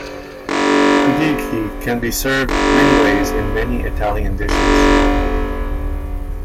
Cudighi can be served many ways in many Italian dishes.